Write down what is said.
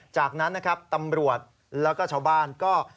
จากนั้นนะครับตำรวจแล้วก็ชาวบ้านก็